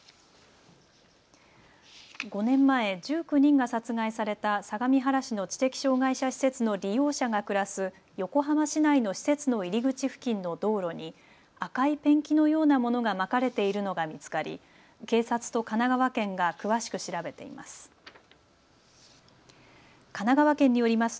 ５年前、１９人が殺害された相模原市の知的障害者施設の利用者が暮らす横浜市内の施設の入り口付近の道路に赤いペンキのようなものがまかれているのが見つかり警察と神奈川県が詳しく調べています。